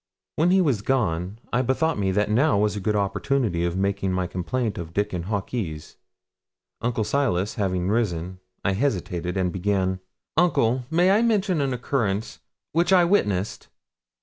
When he was gone, I bethought me that now was a good opportunity of making my complaint of Dickon Hawkes. Uncle Silas having risen, I hesitated, and began, 'Uncle, may I mention an occurrence which I witnessed?'